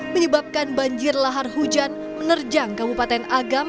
menyebabkan banjir lahar hujan menerjang kabupaten agam